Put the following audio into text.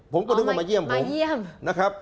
ผมก็นึกว่ามาเยี่ยมผมนะครับ